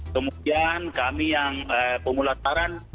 kemudian kami yang pemulataran